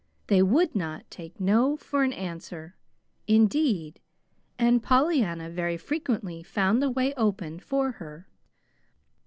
They would not take no for an answer, indeed, and Pollyanna very frequently found the way opened for her.